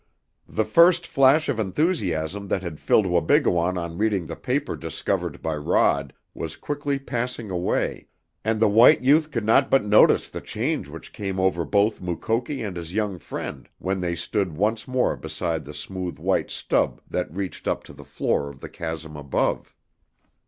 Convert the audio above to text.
The first flash of enthusiasm that had filled Wabigoon on reading the paper discovered by Rod was quickly passing away, and the white youth could not but notice the change which came over both Mukoki and his young friend when they stood once more beside the smooth white stub that reached up to the floor of the chasm above.